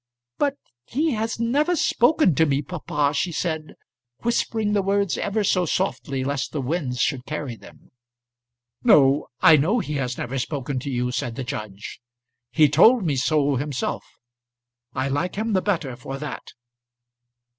"But he has never spoken to me, papa," she said, whispering the words ever so softly lest the winds should carry them. "No; I know he has never spoken to you," said the judge. "He told me so himself. I like him the better for that."